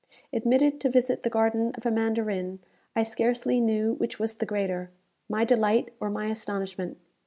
Admitted to visit the garden of a mandarin, I scarcely knew which was the greater, my delight or my astonishment.